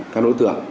các đối tượng